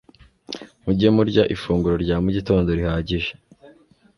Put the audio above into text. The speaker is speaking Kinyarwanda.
Mujye Murya Ifunguro rya Mugitondo Rihagije